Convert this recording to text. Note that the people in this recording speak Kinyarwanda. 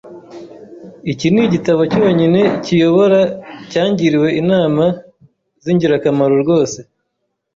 Iki nigitabo cyonyine kiyobora cyangiriwe inama zingirakamaro rwose.